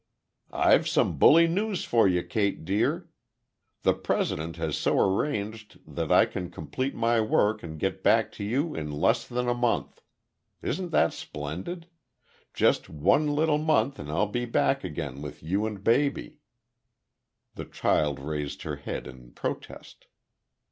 "I've some bully news for you, Kate, dear! The President has so arranged that I can complete my work and get back to you in less than a month. Isn't that splendid? Just one little month and I'll be back again with you and baby." The child raised her head in protest.